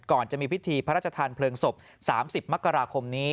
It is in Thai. จะมีพิธีพระราชทานเพลิงศพ๓๐มกราคมนี้